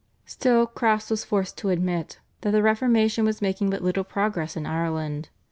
Still Crofts was forced to admit that the Reformation was making but little progress in Ireland.